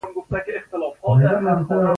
خپل کور ته قدر ورکول لازمي دي.